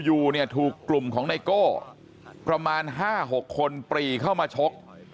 อยู่เนี่ยถูกกลุ่มของไนโก้ประมาณ๕๖คนปรีเข้ามาชก